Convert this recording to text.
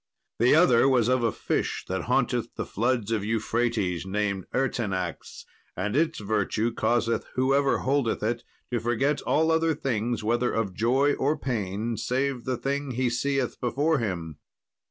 The other was of a fish that haunteth the floods of Euphrates, named Ertanax; and its virtue causeth whoever holdeth it to forget all other things, whether of joy or pain, save the thing he seeth before him.